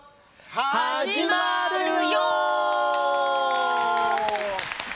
始まるよ！